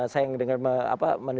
saya dengar apa